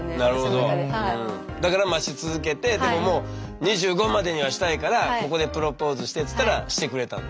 だから待ち続けてでももう「２５までにはしたいからここでプロポーズして」っつったらしてくれたんだ。